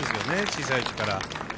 小さいうちから。